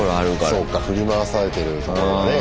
そうか振り回されてるところがね